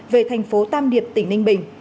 về tp tam hiệp tỉnh ninh bình